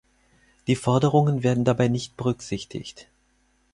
Die Forderungen werden dabei nicht berücksichtigt.